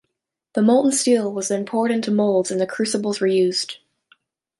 The molten steel was then poured into moulds and the crucibles reused.